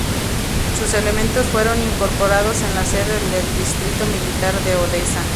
Sus elementos fueron incorporados en la Sede del Distrito Militar de Odesa.